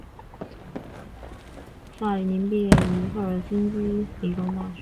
萨里宁毕业于赫尔辛基理工大学。